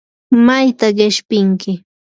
¿mayta qishpinki?